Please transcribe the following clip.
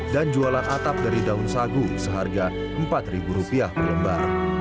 dan jualan atap dari daun sagu seharga rp empat per lembar